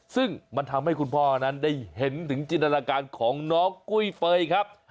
ซึ่งมันทำให้คุณพ่อนั้นได้เห็นถึงจินตนาการของน้องกุ้ยเฟย์ครับ